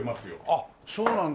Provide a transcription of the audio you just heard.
あっそうなんだ。